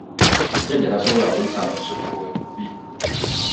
Jjajja tasobola kuyisa muzzukulu bubi.